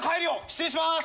失礼します。